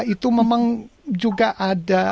itu memang juga ada